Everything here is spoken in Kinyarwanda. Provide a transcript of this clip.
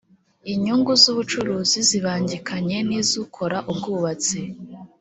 inyungu z ‘ubucuruzi zibangikanye nizukora ubwubatsi.